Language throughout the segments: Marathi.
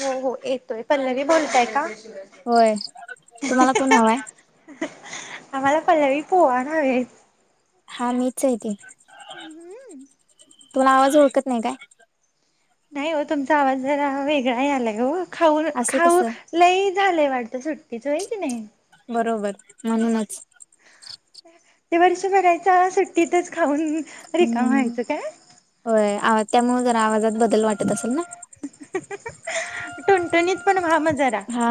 हो हो येतोय पल्लवी बोलताय का होय. तुम्हाला, कोण हवाय? आम्हाला पल्लवी पोआनं हवे हा, मीच ये ती. तुनं आवाज, ओळखत नाय काय? नाही ओ तुमचा आवाज जरा, वेगळा यायलाय अव खाऊनं असं खाऊ कसं लय झालंय वाटतं ‌सुट्टीचं. होय की नाय? बरोबर. म्हणूनच ते वर्ष भराच सुट्टीतच खाऊन रिकाम हम्म व्हायचं काय? होय अ त्यामुळं जरा आवाजात बद ल वाटत असेल न? टुणटुणीत पण व्हा मग जरा हा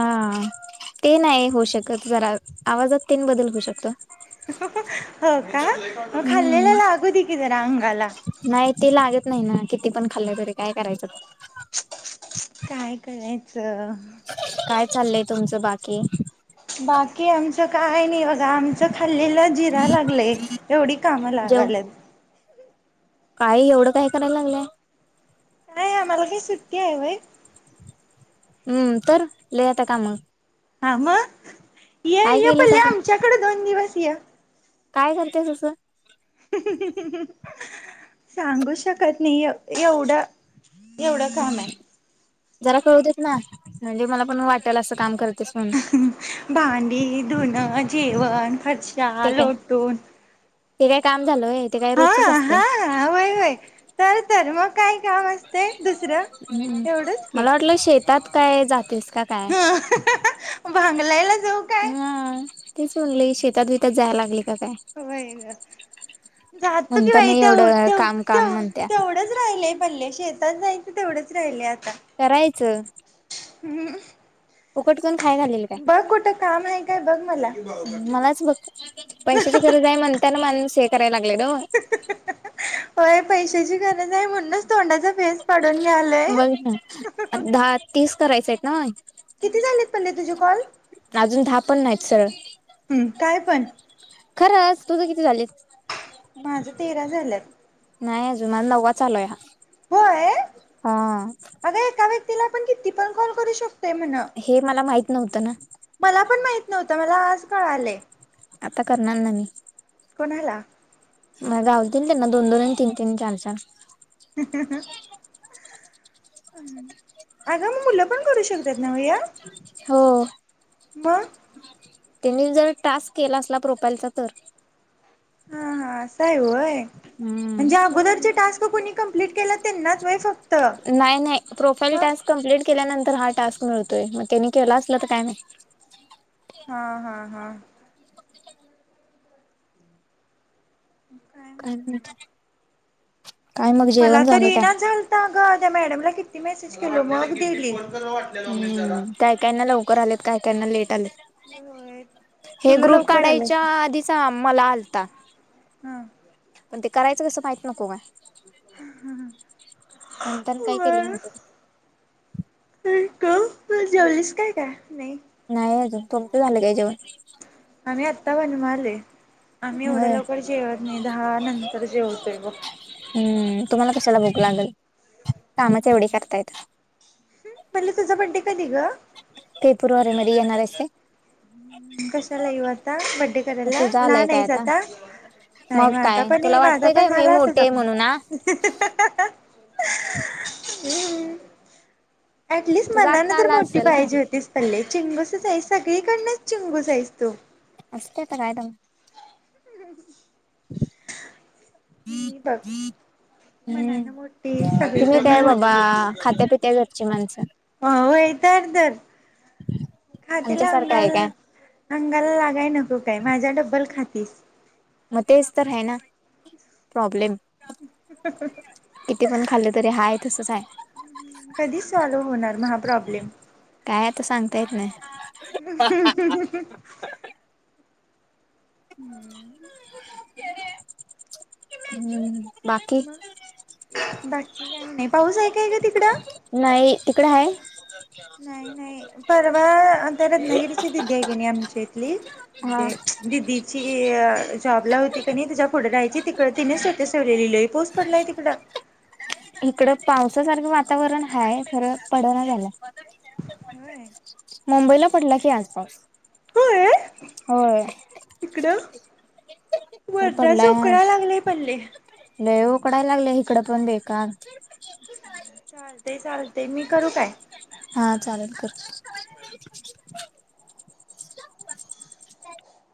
ते नाही होऊ शकत. जरा, आवाजात तेनं बदल होऊ शकतो. हो का? म खाल्लेल लागू दे की जरा, अंगाला नाय ते लागत नाही ना. किती पण खाल्लं तरी, काय करायचं? काय, करायचं काय चाललंय तुमचं बाकी. बाकी, आमचं काय नय बघा. आमचं खाल्लेल जिराय लागलंय एवढी काम जेव लागाल्यात. काय एवढं काय, कराय लागलाय? काय आम्हाला काय, सुट्टी आहाय व्हय. हम्म तर, लय आता काम हा म काय केलंस अस इकड, दोन दिवस या. काय करतेस असं? सांगू शकत नई एवढं एवढं काम आहे जरा कळूदेत ना म्हणजे मला पण वाटल असं काम करतेस म्हणून भांडी, धुन, जेवण, कचरा ते काय लोटून ते काय काम झाल व्हय ते काय हा रोजचच असतय. हा होय होय तर तर मग काय काम असते दुसरं हूं एवढंच की मला वाटलं शेत तात काय जातेस का काय भांगलायला जाऊ काय हं तेच म्हणल ही शेतात बितात जाय लागली का काय होय क जातो की म्हणता बाई नाही तेव एवढं तेव तेव काम काम तेव म्हणत्या -तेवढंच राहिलय पल्ले शे तात जायच तेवढंच राहिलय आता. करायचं. हम्म. फुकट कोण खाया घालेल काय कुठं काम आहे काय बघ मला मलाच बघ पैशाची गरज हाय म्हणताना माणूस हे कराय लागलय न्हव. होय पैशाची गरज हाय म्हणूनच तोंडाचा फेस पाडून घ्यालंय. बघ ना दहा तीस करायचयत ना? झालेत पल्ले तुझे कॉल? अजून दहा पण नायत सरळ. हम् काय पण. खरंच तुझं किती झाले? माझं तेरा झाल्यात. नाय अजून आज नववा चालूय हा. अगा एका व्यक्तीला आपण किती पण कॉल करू शक हे मला माहीत नव्हतं ना. मला पण माहित नव्हतं मला आज कळालंय. आता करणार ना मी. कोणाला? म गावतील त्यांना दोन दोन आणि तीन तीन चार चार [unintelligible] अगं म- मुलं पण करू शकतात न्हव य? हो. म त्येंनी जर टास्क केला असला प्रोफाईलचा तर. हा हा असाय व्हय हम्म आणि जे अगोदरचे टास्क कुणी कम्प्लीट केल्या त्यांनाच व्हय फ नाय नाय प्रोफाईल टा कम्प्लीट केल्यानंतर हा टास्क मिळतोय मग त्यानी केला असलं तर काय म्हायत. हा हा हा. काय मग काय मग जेवण झालं काय? आग त्या मॅडमला किती मेसेज केली मग दिली. हम्म काय कायांना लवकर आलेत काय कायना लेट आलेत. मनात होय हे तुला ग्रुप लवकर आलास काढायच्या आधीचा मला आलता. हां. पण ते करायचं कसं म्हायत नको काय म्हणताना काय केलं न्हवत. आई ग, म -जेवलीस काय का नाय? नाय अजून तुमचं झालं काय जेवण? आम्ही आता बनवाले. आम्ही एवढ्या होय लवकर जेवत नाही दहा नंतर जेवतोय बग. हम्म तुम्हाला कशाला भुक लागल कामच एवढी करतायत. पल्ले तुझा बड्डे कधी ग? पेपूर वारी मधी येणार हायस काय? कशाला येऊ आता बडे करायला तुझा आलाय लहान काय आहेस आता? नाही मग माझा काय पण तुला माझा वाटतंय काय पण मी झाला असच मोठे आपण म्हणून आ हम्. ऍटलीस्ट तुझा मनान आत्ता तर आला मोठी असेल ना पाहिजे होतीस. पण लय चिंगूसच आहेस सगळीकडनच चिंगूस आहेस तू असते त काय दम मी बघ हम्म मनान मोठी सगळीकडना मोठी अची माणसं हो व्हय तर तर खातीला आमच्यासारखं अंगाल आहे काय अंगाला लागाय नको काय माझा डब्बल खातीस. म तेच तर हाय ना प्रॉब्लेम किती पण खाल्ल तरी हाय तसंच हाय. हं कधी सॉल्व्ह होणार म हा प्रॉब्लेम काय आता सांगता येत नाय. [unintelligible] हम्म हम् बाकी मग बाकी का नाय पाऊस हाय काय ग तिकडं नाही तिकड हाय नाही नाही परवा आता रत्नागिरीची दिदी हाय की नाय आमच्या इथली हा म्हणजे दिदीची जॉबला होती तनी तिथं पुढं राहायची तिकड तिने स्टेटस ठेवलंय लिलंय पाऊस पडलाय तिकडं इकड पावसासारखं वातावरण हाय खरं पड ना झालं. होय मुंबईला पडला की आज पाऊस होय. तिकडं इकडं मरणाच पडलाय आज उकडाय लागलय पडले. लय उकडाय लागलय इकडं पण बेकार चालतय चालतय मी करू काय हा चालल कर.